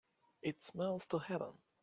It smells to heaven